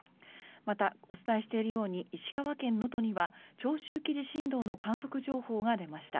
また、お伝えしているように石川県能登には長周期地震動の観測情報が出ました。